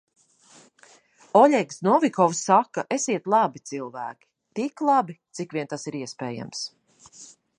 Oļegs Novikovs saka: "Esiet labi cilvēki - tik labi, cik vien tas ir iespējams."